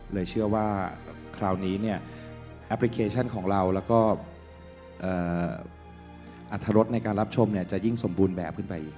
เลยเชื่อว่าคราวนี้เนี่ยแอปพลิเคชันของเราแล้วก็อรรถรสในการรับชมจะยิ่งสมบูรณ์แบบขึ้นไปอีก